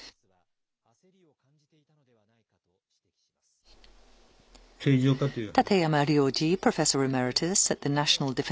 ハマスは焦りを感じていたのではないかと指摘します。